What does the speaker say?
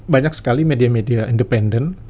banyak sekali media media independen